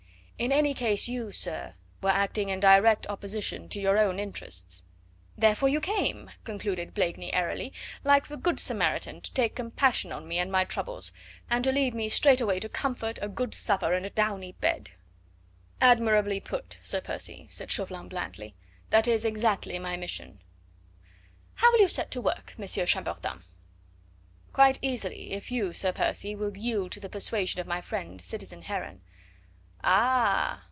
"In any case you, sir, were acting in direct opposition to your own interests." "Therefore you came," concluded Blakeney airily, "like the good Samaritan to take compassion on me and my troubles, and to lead me straight away to comfort, a good supper and a downy bed." "Admirably put, Sir Percy," said Chauvelin blandly; "that is exactly my mission." "How will you set to work, Monsieur Chambertin?" "Quite easily, if you, Sir Percy, will yield to the persuasion of my friend citizen Heron." "Ah!"